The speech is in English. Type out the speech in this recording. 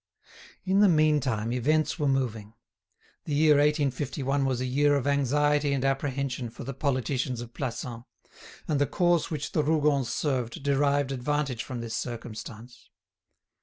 In the meantime, events were moving. The year 1851 was a year of anxiety and apprehension for the politicians of Plassans, and the cause which the Rougons served derived advantage from this circumstance.